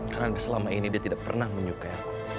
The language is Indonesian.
karena selama ini dia tidak pernah menyukai aku